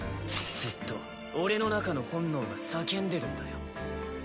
ずっと俺の中の本能が叫んでるんだよ。